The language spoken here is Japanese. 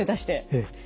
ええ。